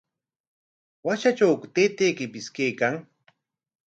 ¿Washatrawku taytaykipis kaykan?